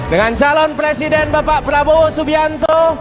dengan calon presiden bapak prabowo subianto